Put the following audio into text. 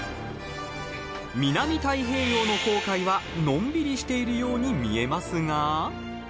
南太平洋の航海はのんびりしているように見えますが。